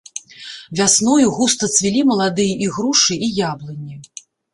Вясною густа цвілі маладыя ігрушы і яблыні.